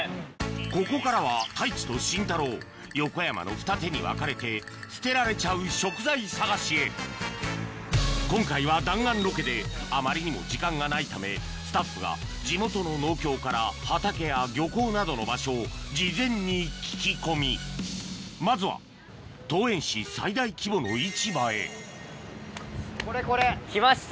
ここからは太一とシンタロー横山のふた手に分かれて捨てられちゃう食材探しへ今回は弾丸ロケであまりにも時間がないためスタッフが地元の農協から畑や漁港などの場所を事前に聞き込みまずは桃園市最大規模の市場へこれこれ。来ました。